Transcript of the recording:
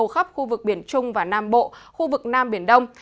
khắp khu vực biển trung và nam bộ khu vực nam biển đông